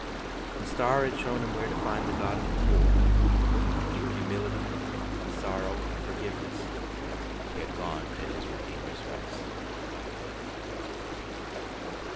The star had shown him where to find the God of the poor; and through humility, and sorrow, and forgiveness, he had gone to his Redeemer's rest.